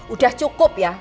udah cukup ya